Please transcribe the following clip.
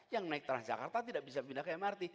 yang naik transjakarta tidak bisa pindah ke mrt